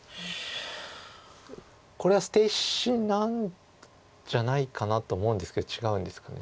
これは捨て石なんじゃないかなと思うんですけど違うんですかね。